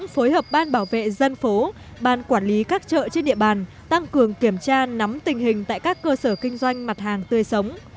phối hợp ban bảo vệ dân phố ban quản lý các chợ trên địa bàn tăng cường kiểm tra nắm tình hình tại các cơ sở kinh doanh mặt hàng tươi sống